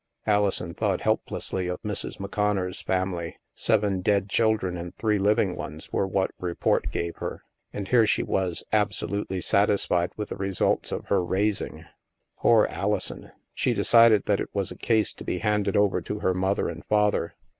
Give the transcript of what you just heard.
'* Alison thought helplessly of Mrs. McConnor's family. Seven dead children and three living ones were what report gave her. And here she was, ab solutely satisfied with the results of her " raising." Poor Alison ! She decided that it was a case to be handed over to her mother and father.